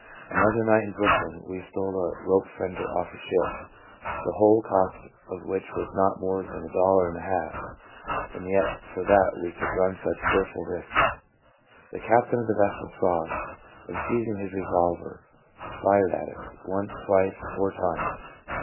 Another night in Brooklyn we stole a rope fender off a ship, the whole cost of which was not more than a dollar and a half and yet for that we could run such fearful risks. The captain of the vessel saw us, and seizing his revolver fired at us, once, twice, four times.